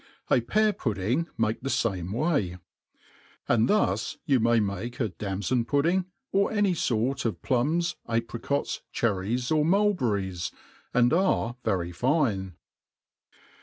A pear pudding make the fame way. And thus you mvj make a damfoTl^ pudding, o^ any fort of plums, apricots, c4erriesj' or mulberries, and are very fine.